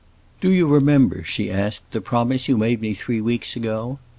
"Do you remember," she asked, "the promise you made me three weeks ago?"